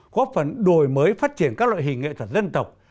góp phần đổi mới phát triển các loại hình nghệ thuật dân tộc